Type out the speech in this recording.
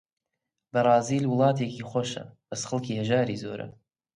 بەرازیل وڵاتێکی خۆشە، بەس خەڵکی هەژاری زۆرە